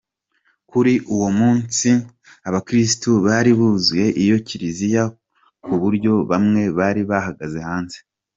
Kuri uwo munsi abakirisitu bari buzuye iyo Kiriziya ku buryo bamwe bari bahagaze hanze.